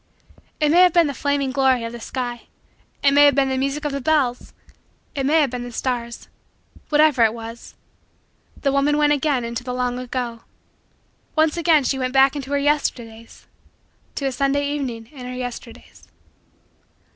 It may have been the flaming glory of the sky; it may have been the music of the bells; it may have been the stars whatever it was the woman went again into the long ago. Once again she went back into her Yesterdays to a Sunday evening in her Yesterdays.